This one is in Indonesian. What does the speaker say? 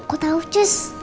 aku tau cus